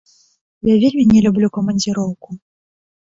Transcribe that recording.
Я вельмі не люблю камандзіроўку.